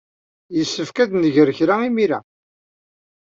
Yessefk ad neg kra imir-a.